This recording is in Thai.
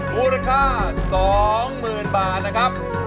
มูลค่า๒หมื่นบาทนะครับ